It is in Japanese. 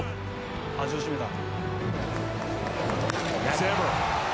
味を占めた。